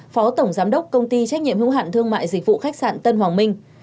phó tổng giám đốc công ty trách nhiệm hữu hạn thương mại dịch vụ khách sạn tân hoàng minh